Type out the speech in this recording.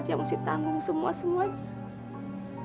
dia mesti tanggung semua semuanya